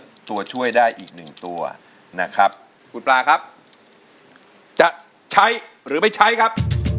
ตัวช่วยได้อีกหนึ่งตัวนะครับคุณปลาครับจะใช้หรือไม่ใช้ครับ